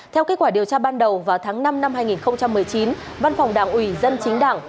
theo kết quả điều tra ban đầu vào tháng năm năm hai nghìn một mươi chín văn phòng đảng ủy dân chính đảng